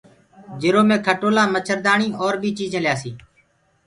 جِرو مي کٽولآ مڇردآڻيٚ اور بيٚ چيٚجينٚ ليآسيٚ